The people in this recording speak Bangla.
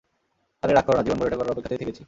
আরে, রাগ করো না, জীবনভর এটা করার অপেক্ষাতেই থেকেছি।